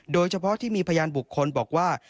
โดยเฉพาะที่มีพยานบุคคลบอกว่า